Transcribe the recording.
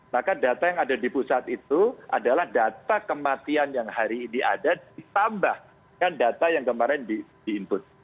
maka data yang ada di pusat itu adalah data kematian yang hari ini ada ditambahkan data yang kemarin di input